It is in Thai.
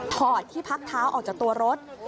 อดที่พักเท้าออกจากตัวรถ